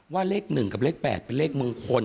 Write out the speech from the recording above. ว่าเลข๑กับเลข๘เป็นเลขมงคล